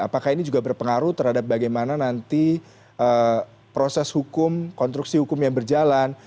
apakah ini juga berpengaruh terhadap bagaimana nanti proses hukum konstruksi hukum yang berjalan